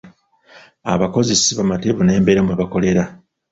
Abakozi si bamativu n'embeera mwe bakolera.